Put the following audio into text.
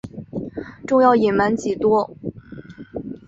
仲要隐瞒几多？